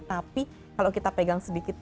tapi kalau kita pegang sedikit